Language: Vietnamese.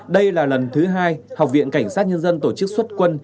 đây là lần thứ hai học viện cảnh sát nhân dân tổ chức xuất quân